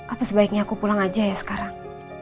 apa sebaiknya aku pulang aja ya sekarang